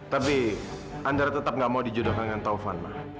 tapi andara tetap nggak mau dijodohkan dengan taufan mak